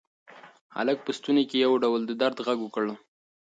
هلک په ستوني کې یو ډول د درد غږ وکړ.